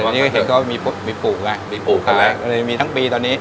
เอออันนี้ก็เห็นเขามีมีปลูกไงมีปลูกกันแล้วมีทั้งปีตอนนี้